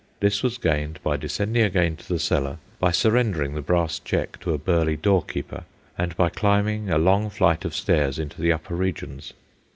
This was gained by descending again to the cellar, by surrendering the brass check to a burly doorkeeper, and by climbing a long flight of stairs into the upper regions.